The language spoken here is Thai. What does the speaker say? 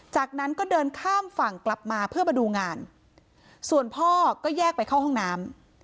จากนั้นก็เดินข้ามฝั่งกลับมาเพื่อมาดูงานส่วนพ่อก็แยกไปเข้าห้องน้ำ